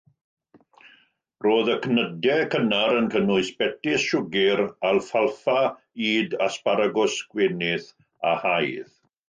Roedd y cnydau cynnar yn cynnwys betys siwgr, alffalffa, ŷd, asbaragws, gwenith a haidd.